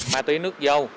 ma túy nước dâu